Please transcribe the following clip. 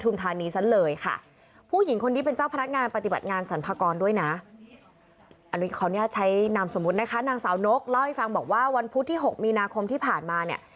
นางสาวนกเล่าให้ฟังบอกว่าวันพุทธที่หกมีนาคมที่ผ่านมาเนี่ย